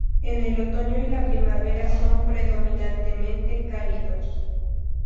En el otoño y la primavera son predominantemente cálidos.